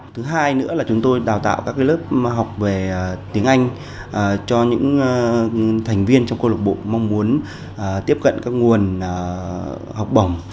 thứ hai nữa là chúng tôi đào tạo các lớp học về tiếng anh cho những thành viên trong câu lục bộ mong muốn tiếp cận các nguồn học bổng